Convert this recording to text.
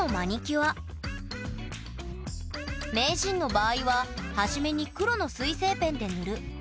名人の場合は初めに黒の水性ペンで塗る。